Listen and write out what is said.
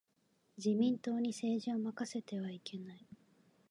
自民党に政治を任せてはいけない。